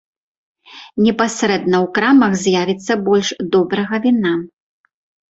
Непасрэдна ў крамах з'явіцца больш добрага віна.